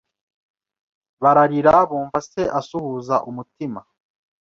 bararira Bumva se asuhuza umutima